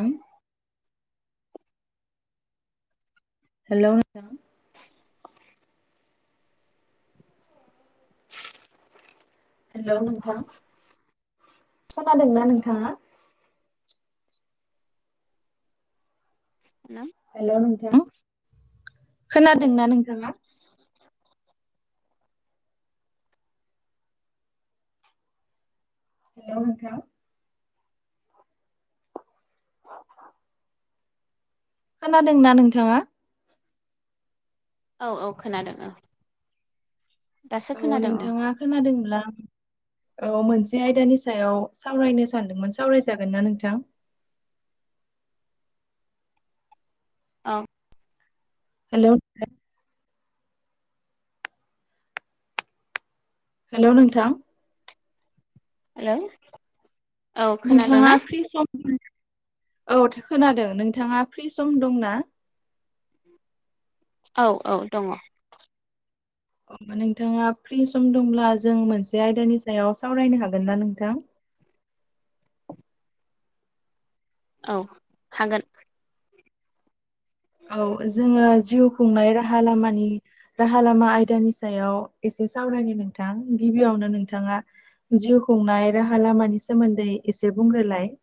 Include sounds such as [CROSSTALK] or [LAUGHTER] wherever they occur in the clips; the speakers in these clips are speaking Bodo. ओं हेल' हेल' हेल' नोंथां खोनादोंना नोंथाङा? हेल' [UNINTELLIGIBLE] हेल' नोंथां खोनादोंना नोंथाङा? हेल' नोंथां? [INAUDIBLE] खोनादोंना नोंथाङा? औ औ खोनादों ओं औ नोंथाङा खोनादोंब्ला औ मोनसे आयदानि सायाव सावरायनो सानदोंमोन सावरायजागोन ना नोंथां? ओं हेल' हेल' नोंथां हेल' [UNINTELLIGIBLE] नोंथाङा फ्रि सम औ खोनादों नोंथाङा फ्रि सम दंना? औ औ दङ अ' नोंथाङा फ्रि सम दंब्ला जों मोनसे आयदानि सायाव सावरायनो हागोन ना नोंथां? औ हागोन। औ जोङो जिउ खुंनाय राहा लामानि राहा लामा आयदानि सायाव एसे सावरायनि नोंथां गिबियावनो नोंथाङा जिउ खुंनाय राहा लामानि सोमोन्दै एसे बुंग्रोलाय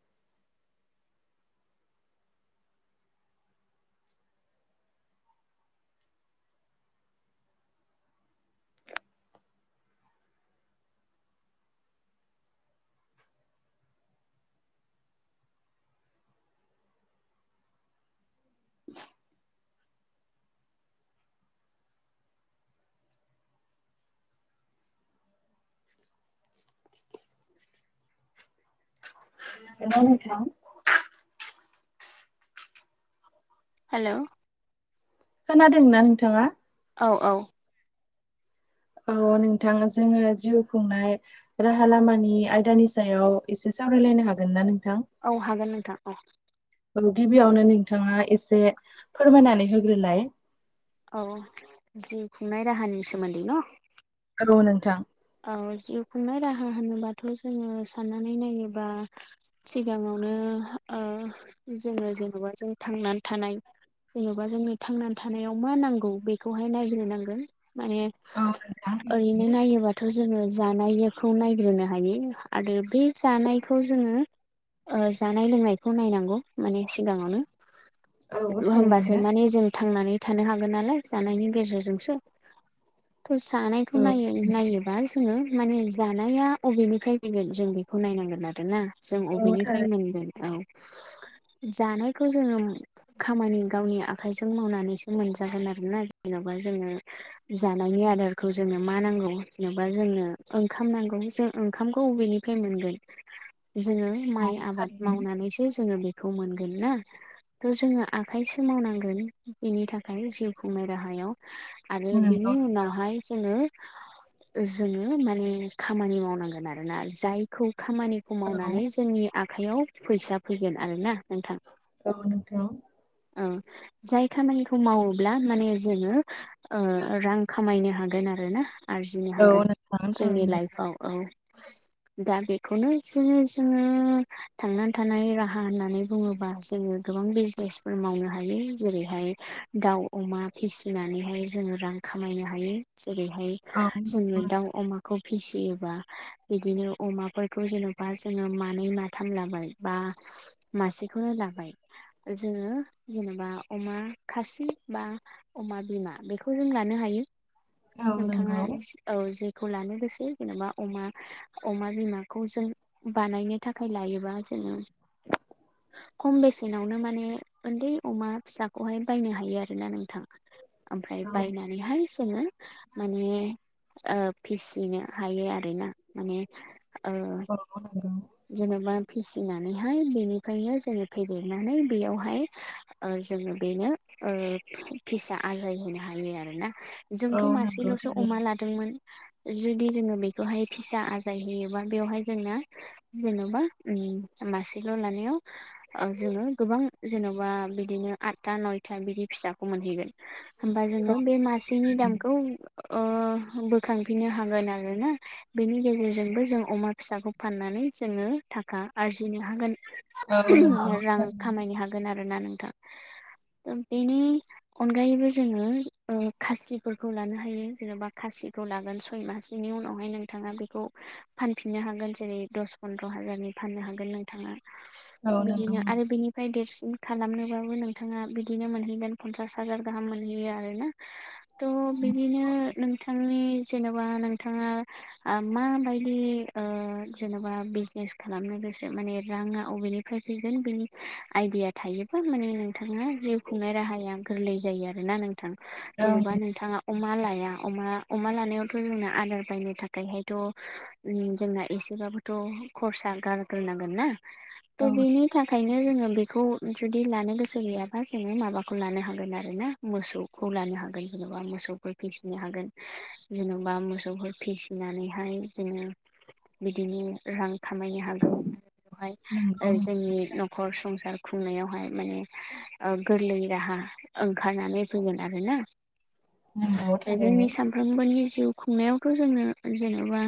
हेल' नोंथां? हेल' खोनादोंना नोंथाङा? औ औ औ नोंथाङा जोङो जिउ खुंनाय राहा लामानि आयदानि सायाव एसे सावरायलायनो हागोन ना नोंथां? औ हागोन नोंथां औ औ गिबियावनो नोंथाङा एसे फोरमायनानै होग्रोलाय औ जिउ खुंनाय राहानि सोमोन्दै ना? [UNINTELLIGIBLE] नोंथां औ जिउ खुंनाय राहा होनोबाथ' जोङो साननानै नायोबा सिगाङावनो ओ जोङो जेन'बा जों थांनानै थानाय जेन'बा जोंनि थांनानै थानायाव मा नांगौ बेखौहाय नायग्रो नांगोन माने औ नोंथां ओरैनो नायोबा जानायखौ नायग्रोनो हायो आरो बे जानायखौ जोङो ओ जानाय लोंनायखौ नायनांगौ माने सिगाङावनो औ होमबासो थारैनो माने जों थांनानै थानो हागोन नालाय जानायनि गेजेरजोंसो थ' जानायखौ औ नायो नायो बा जोङो माने जानाया अबेनिफ्राय फैगोन जों बेखौ नायनांगोन आरोना जों औ अबेनिफ्राय थारैनो मोनगोन औ जानायखौ जोङो खामानि गावनि आखाइजों मावनानैसो मोनजागोन आरोना जेन'बा जोङो जानायनि आदारखौ जोंनो मा नांगौ जेनेबा जोंनो ओंखाम नांगौ जों ओंखामखौ अबेनिफ्राय मोनगोन जोङो औ माइ आबाद थारैनो मावनानैसो जोङो बेखौ मोनगोन ना थ' जोङो आखाइ सोमावनांगोन बेनि थाखाय जिउ खुंनाय राहायाव आरो नंगौ बिनि नोंथां उनावहाय जोङो जोङो माने खामानि मावनांगोन आरोना जायखौ खामानिखौ मावनानै औ जोंनि आखाइयाव फैसा फैगोन आरोना नोंथां औ नोंथां औ जाय खामानिखौ मावोब्ला माने जोङो ओ रां खामायनो हागोन आरो ना आरजिनो औ हागोन नोंथां जोंनि थारैनो लाइफआव औ दा बेखौनो जोङो जोङो थांनानै थानाय राहा होननानै बुङोबा जोङो गोबां बिजनेसफोर मावनो हायो जेरैहाय दाउ, अमा फिसिनानैहाय जोङो रां खामायनो हायो जेरैहाय औ जोङो दाउ, अमाखौ फिसियोबा बिदिनो अमाफोरखौ जेन'बा जोङो मानै मा थाम लाबाय बा मासेखौनो लाबाय जोङो जेनेबा अमा खासि बा अमा बिमा बेखौ जों लानो हायो औ नोंथाङा नंगौ जि औ जेखौ लानो गोसो जेनेबा अमा अमा बिमाखौ जों बानायनो थाखाय लायोबा जोङो खम बेसेनावनो माने उन्दै अमा फिसाखौहाय बायनो हायो आरोना नोंथां। ओमफ्राय औ बायनानैहाय जोङो माने ओ फिसिनो हायो आरोना माने ओ [UNINTELLIGIBLE] जेन'बा फिसिनानैहाय बेनिफ्रायनो जोङो फेदेरनानै बेयावहाय ओ जोङो बेनो ओ फिसा आजाय होनो हायो आरोना औ जोंथ' नंगौ मासेल'सो अमा थारैनो लाद दोंमोन जुदि जोङो बेखौहाय फिसा आजाय होयोबा बेवहाय जोंना जेनेबा ओम मासेल' लानायाव ओ जोङो गोबां जेन'बा बिदिनो आतथा नयथा बिदि फिसाखौ मोनहैगोन। होमबा औ जोङो बे मासेनि थारैनो दामखौ ओ बोखांफिननो हागोन आरोना बेनि गेजेरजोंबो जों अमा फिसाखौ फाननानै जोङो थाखा आरजिनो हागोन। औ नंगौ रां थारैनो खामायनो हागोन आरो ना नोंथां ओ बेनि अनगायैबो जोङो ओ खासिफोरखौ लानो हायो जेनेबा खासिखौ लागोन सय मास बेनि उनावहाय नोंथाङा बेखौ फानफिननो हागोन जेरै दस फन्द्र' हाजारनि फाननो हागोन नोंथाङा औ नंगौ बिदिनो आरो बेनि फ्राय देरसिन खालामनोबाबो नोंथाङा बिदिनो मोनहैगोन फनसास हाजार गाहाम मोनहैयो आरो ना। थ' बिदिनो नोंथांनि जेनेबा नोंथाङा आ माबायदि ओ जेनेबा माबा बिजनेस खालामनो गोसो माने राङा अबेनिफ्राय फैगोन बिनि आइदिया थायोबा माने नोंथाङा जिउ खुंनाय राहाया गोरलै जायो आरोना नोंथा औ जेनेबा नोंथाङा अमा लाया अमा अमा लानायावथ' जोंना आदार बायनो थाखायहायथ' जोंना एसेबाबो थ खर्सा गारग्रोनांगोन ना त' बेनि नंगौ बेनि थाखायनो जोङो बेखौ जुदि लानो गोसो गैयाबा जोङो माबाखौ लानो हागोन आरो ना मोसौखौ लानो हागोन जेन'बा मोसौफोर फिसिनो हागोन जेन'बा मोसौफोर फिसिनानैहाय जोङो बिदिनो रां खामायनो हागौ बेवहाय ओ नंगौ नोंथां। जोंनि न' न'खर संसार खुंनायावहाय माने ओ गोरलै राहा ओंखारनानै फैोगोन आरोोना नंगौ जोंनि थारैनो साम साफ्रोमबोनि जिउ खुंनायावथ' जोंनो जेनेबा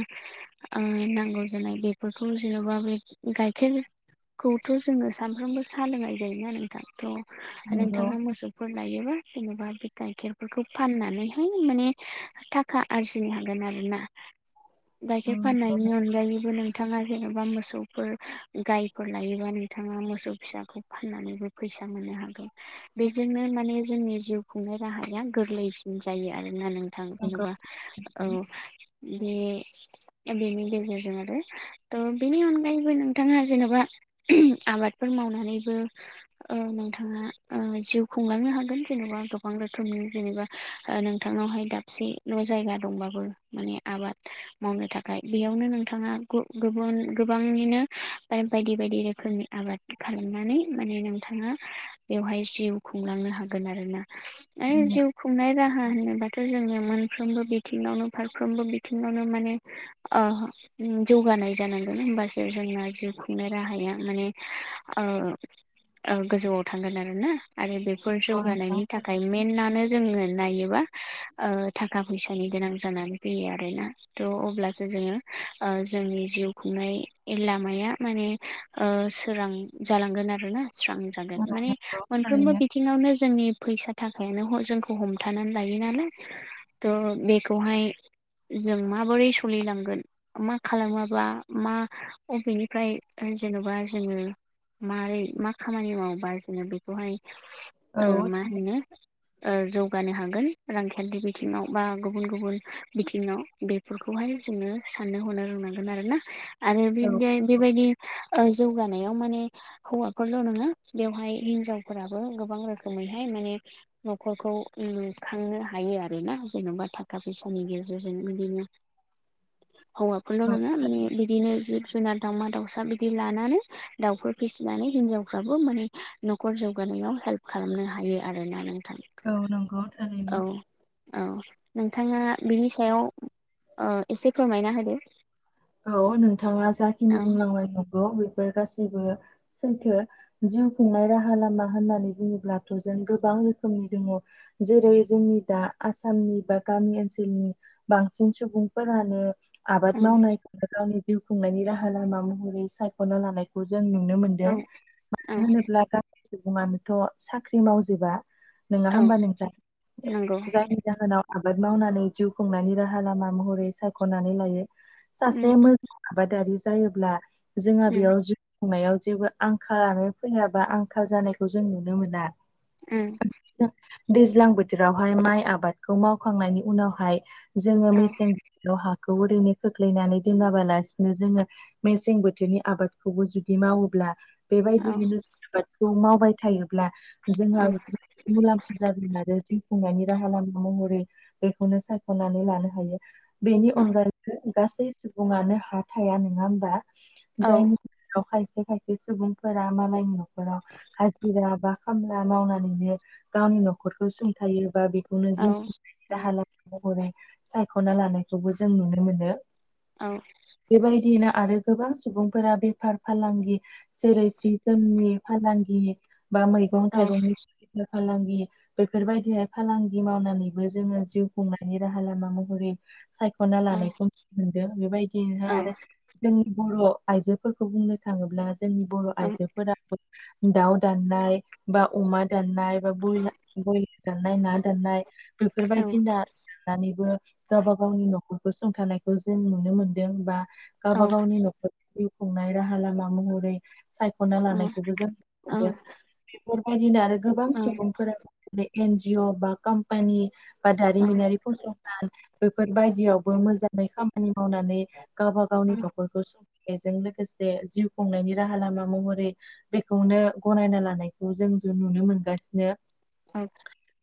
नांगौ बेफोरखौ जेन'बा बे गाइखेर खौथ' जोङो सानफ्रोमबो सा लोंनाय जायोना नोंथांथ' नंगौ औ नोंथाङा मोसौ फोर लायोबा जेनेबा बे गाइखेरफोरखौ फाननानैहाय माने थाखा आरजिनो हागोन आरो ना दाख नंगौ फाननायनि अ जायो नोंथाङा जेन'बा मोसौफोर गायफोर लायोबा नोंथाङा मोसौ फिसाखौ फाननानैबो फैसा मोननो हागोन बेजोंनो माने जोंनि जिउ खुंनाय राहाया गोरलैसिन जायो आरोना नों नंगौ जेन'बा औनि गेजेरजों आरो थ' बेनि अनगायैबो नोंथाङा जेन'बा आबादफोर मावनानैबो नोंथाङा जिउ खुंलांनो हागोन जेनेबा गोबां रोखोमनि जेनेबा नोंथांनावहाय दाबसेल' जायगा दंबाबो माने आबाद मावनो थाखाय बेयावनो नोंथाङा गोबांनिनो बायदि बायदि रोखोमनि आबाद खालामनानै माने नोंथाङा बेवहाय जिउ खुंलांनो हागोन आरोोना आरो नंगौ जिउ खुंनाय राहा होनोबाथ' जोङो मोनफ्रोमबो बिथिङावनो फारफ्रोमबो बिथिङावनो माने अ जौगानाय जानांगोन होमबासो जोंना जिउ खुंनाय राहाया माने गोजौआव थांगोन आरोना आरो बेफोर नंगौ नोंथां जौगानायनि थाखाय थारैनो मेनानो जोङो नायोबा थाखा फैसानि गोनां जानानै फैयो आरोना थ' अब्लासो जोङो जोंनि जिउ खुंनाय लामाया माने सोरां जालांगोन आरोोना सोरां औ म नंगौ मोन थारैनो बिनो जोंनि फैसा थाखायानो जोंखौ हमथानानै लायो नालाय थ' बेखौहाय जों माबोरै सोलिलांगोन मा खालामाबा मा अबेनिफ्राय जेन'बा जोङो मारोरै मा खामानि मावोबा जोङो बेखौहाय औ मा थारैनो होनो जौगानो हागोन रांखान्थि बिथिङाव बा गुबुन गुबुन बिथिङाव बेफोरखौहाय जोङो साननो हनो रोंनांगोन आरो ना आरो औ बेबायदि बेबायदि जौगानायाव माने हौवाफोरल' ननोङा बेवहाय हिनजावफोराबो गोबां रोखोमैहाय माने न'खरखौ लुखांनो हायो आरो ना जेन'बा थाखा फैसानि गेजेरजों बिदिनो हौवाफोरल' औ नङा माने थारैनो बिदिनो जिब जुनार दाउमा दाउसा बिदि लानानै दाउफोर फिसिनानै हिनजावफ्राबो माने न'खर जौगानायाव हेल्प खालामनो हायो आरोना नोंथां औ नंगौ थारै औ नों औ नोंथाङा बिनि सायाव एसे फोरमायना होदो औ नोंथाङा जाखिनि औ बुंनांबाय नंगौ बेफोर गासैबो सैथो जिउ खुंनाय राहा लामा होननानै बुङोब्लाथ' जों गोबां रोखोमनि दङ जेरै जोंनि दा आसामनि बा गामि ओनसोलनि बांसिन सुबुंफोरानो आबाद औ मावनायखौनो गावनि जिउ खुंनायनि राहा लामा महरै सायख'ना लानायखौ जों नुनो औ मोनदों औ मानो होनोब्ला ग सुबुङानोथ' साख्रि मावजोबा नङा औ होमबा नोंथाङ नंगौ जायनि जाहोनाव आबाद मावनानै जिउ खुंनायनि राहा लामा महरै सायख'नानै लायो सासे उम मोजां आबादारि जायोब्ला जोंहा उम बेयाव खंनायाव जेबो आंखालानो फैयाबा आंखाल जानायखौ जों नुनो मोना ओम दैज्लां बोथोरावहाय माइ आबादखौ मावखांनायनि उनावहाय जोङो औ मेसें द हाखौ ओरैनो खोख्लैनानै दोनङाबालासिनो जोङो मेसें बोथोरनि आबादखौबो जुदि मावोब्ला औ बेबायदियैनो जों आबादखौ मावबाय थायोब्ला औ जोंहा मुलाम्फा ज जादों आरो जिउ खुंनायनि राहा लामा महरै बेखौनो सायख'नानै लानो हायो बेनि औ अनगायैबो गासै सुबुङानो हा थाया नङा होमबा औ जायनि औ खायसे खायसे सुबुंफोरा मालायनि न'खराव हाजिरा बा खामला मावनानैनो गावनि न'खरखौ सोंथायोबा बे बेनो औ जिउ राहा महरै सायख'ना लानायखौबो जों नुनो मोनो औ बेबायदियैनो आरो गोबां सुबुंफोरा बेफार फालांगि जेरै सि जोमनि फालांगि बा मैगं औ थाइगंनि फालांगि बेफोरबायदिहाय फालांगि मावनानैबो जोङो जिउ खुंनायनि राहा लामा महरै सायख'ना औ लानायखौ नुनो मोनदों बेबायदियहाय औ आरो जोंनि बर' आइजो खौ बुंनो थाङोब्ला जोंनि बर' आइजोफोराबो दाउ दान ननाय ब उमा दान ननाय बल ब्रयलार दाननाय ना दाननाय बेफोरबायदि ना दानिबो गावबा गावनि न'खर फसंथानायखौ जों नुनो मोनदों बा औ गावबा गावनि न'खर जिउ खुंनाय राहा लामा महरै सायख'ना लानायखौबो जोंदों बेफोरबायदिनो आरो गोबां सुबुंफोरो एन जिअ बा कम्पानि बा दारिमिनारि फसंथान बेफोर बायदियावबो मोजां खामानि मावनानै गावबा गावनि न'खरखौ स बेजों लोगोसे जिउ खुंनायनि राहा लामा महरै बेखौनो गनायना लानायखौ जों ज नुनो मोनगासिनो औ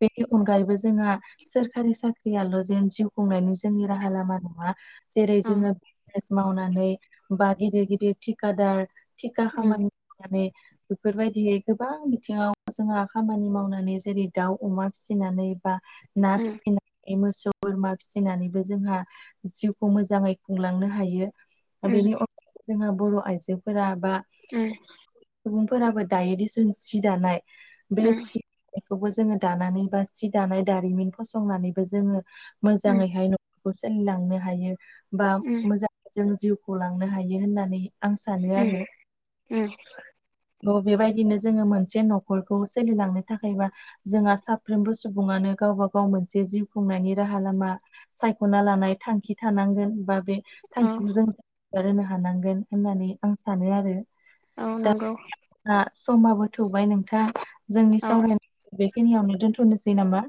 बेनि अनगायैबो जोंहा सोरखारि साख्रियाल' जेन जिउ खुंनायनि जोंनि राहा लामा नङा जेरै जोङो बिजनेस मावनानै बा गिदिर गिदिर थिखादार उम [UNINTELLIGIBLE] बेफोरबायदियै गोबां बिथिङाव जोंहा खामानि मावनानै जेरै दाउ अमा फिसिनानै बा ना उम फिसिनानै मोसौ बोरमा फिसिनानैबो जोंहा जिउखौ मोजाङै खुंलांनो हायो उम बेनि अनगायै जोंहा बर' आइजोफोरा बा ओ सुबुंफोराबो दायो दिसुन सि दानाय बे उम सि बेखौबो जोङो दानानै बा सि दानाय दारिमिन फसंनानैबो जोङो उम मोजाङैहाय सोलिलांनो हायो बा उम मोजां जों जिउखौ लांनो हायो होननानै आं सानो उम आरो उम थ' बेबायदिनो जोङो मोनसे न'खरखौ सोलिलांनो थाखायबा जोंहा साफ्रोमबो सुबुङानो गावबा गाव मोनसे जिउ खुंनायनि राहा लामा सायख'ना लानाय थांखि थानांगोन बा बे औ थांखिखौ जों [UNINTELLIGIBLE] हानांगोन होननानै आं सानो आरो औ नंगौ समाबो थुबाय नोंथां जोंनि औ सावरायनायखौ बेखिनियावनो दोन्थ'नोसै नामा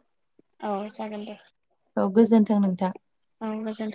औ जागोन दे औ गोजोन्थों नोंथां औ नोंथां